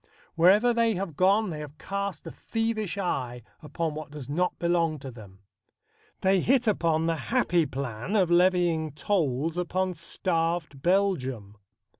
Wherever they have gone they have cast a thievish eye upon what does not belong to them. They hit upon the happy plan of levying tolls upon starved Belgium.